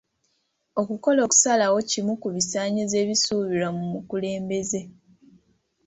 Okukola okusalawo kimu ku bisaanyizo ebisuubirwa mu mukulembeze.